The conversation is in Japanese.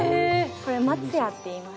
これマツヤっていいます。